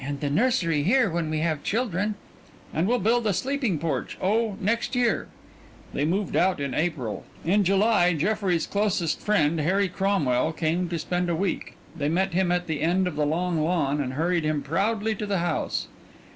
"And the nursery here when we have children." "And we'll build a sleeping porch oh, next year." They moved out in April. In July Jeffrey's closest friend, Harry Cromwell came to spend a week they met him at the end of the long lawn and hurried him proudly to the house.